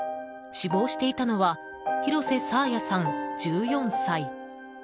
死亡していたのは広瀬爽彩さん、１４歳。